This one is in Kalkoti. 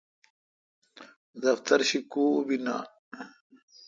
دفتر شی کوبی نان۔